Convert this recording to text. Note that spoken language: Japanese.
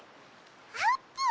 あーぷん！